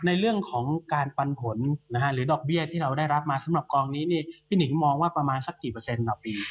ในเรื่องของการปันผลหรือดอกเบี้ยที่เราได้รับมาสำหรับกองนี้พี่หนิงมองว่าประมาณสักกี่เปอร์เซ็นต์ต่อปี